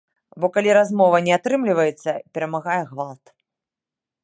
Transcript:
Бо калі размова не атрымліваецца, перамагае гвалт.